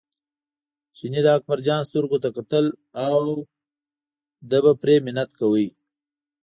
چیني د اکبرجان سترګو ته کتل او په پرې منت کاوه.